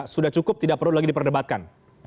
sudah cukup tidak perlu lagi diperdebatkan